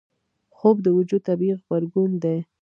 خوب د وجود طبیعي غبرګون دی